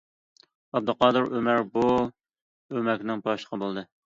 ئابدۇقادىر ئۆمەر بۇ ئۆمەكنىڭ باشلىقى بولدى.